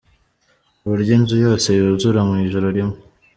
Ku buryo inzu yose yuzura mu ijoro rimwe.